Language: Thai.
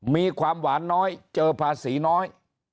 มีความหวานน้อยเจอภาษีน้อย